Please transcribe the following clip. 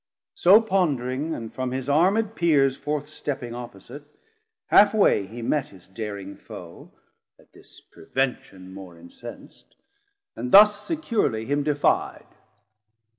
So pondering, and from his armed Peers Forth stepping opposite, half way he met His daring foe, at this prevention more Incens't, and thus securely him defi'd.